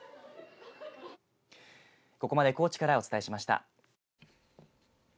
ここまで高知からお伝えしました。